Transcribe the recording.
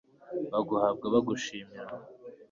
baguhabwa bagushimire